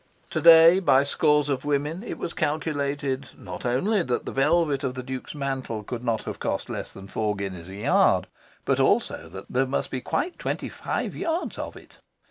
To day by scores of women it was calculated not only that the velvet of the Duke's mantle could not have cost less than four guineas a yard, but also that there must be quite twenty five yards of it.